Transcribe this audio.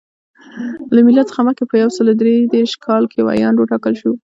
له میلاد څخه مخکې په یو سل درې دېرش کال کې ویاند وټاکل شو.